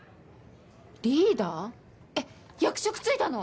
「リーダー」えっ役職付いたの？